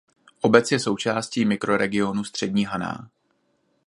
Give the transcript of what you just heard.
Obec je součástí mikroregionu Střední Haná.